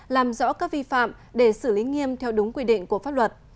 làm rõ các vi phạm để xử lý nghiêm theo đúng quy định của pháp luật